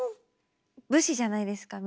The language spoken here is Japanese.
武士じゃないですか皆さん。